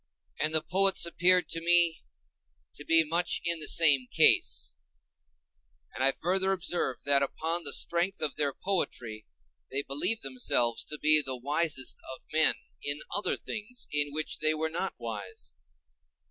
And the poets appeared to me to be much in the same case; and I further observed that upon the strength of their poetry they believed themselves to be the wisest of men in other things in which they were not wise.